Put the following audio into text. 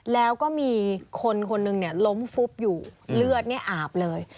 แล้วก็มีคนคนนึงล้มฟุบอยู่เลือดอาบเลย